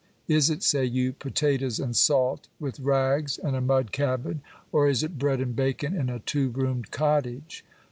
<c Is it," say you, u potatoes and salt, with rags and a mud cabin ? or is it bread and bacon, in a two roomed cottage